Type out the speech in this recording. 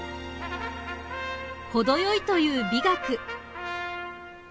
「“程よい”という美学」